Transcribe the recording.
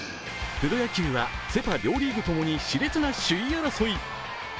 プロ野球はセ・パ両リーグともに熾烈な首位争い。